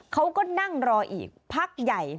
เขาก็นั่งรออีกพักใหญ่